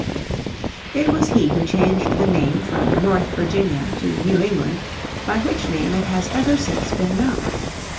It was he who changed the name from North Virginia to New England, by which name it has ever since been known.